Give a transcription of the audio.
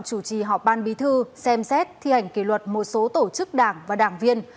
chủ trì họp ban bí thư xem xét thi hành kỷ luật một số tổ chức đảng và đảng viên